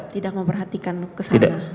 tidak memperhatikan kesalahan